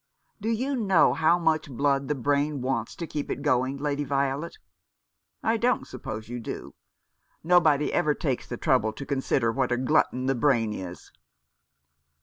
Do you know how much blood the brain wants to keep it going, Lady Violet ? I don't suppose you do. Nobody ever takes the trouble to con sider what a glutton the brain is."